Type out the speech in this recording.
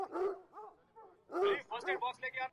د کار او ژوند توازن د ژوند کیفیت ښه کوي.